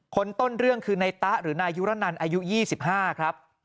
คนต้นเรื่องคือนายตะหรือนายยุรนันอายุ๒๕ครับ